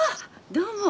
どうも。